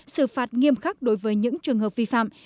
xử phạt nghiêm khắc đối với những trường hợp vi phạm